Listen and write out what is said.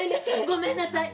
ごめんなさい！